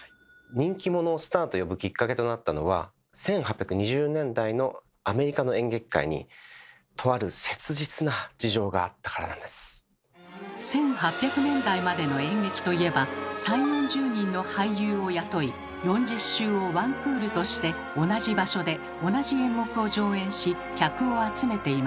人気者をスターと呼ぶきっかけとなったのは１８００年代までの演劇といえば３０４０人の俳優を雇い４０週をワンクールとして同じ場所で同じ演目を上演し客を集めていました。